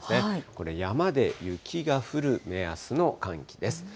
これ、山で雪が降る目安の寒気です。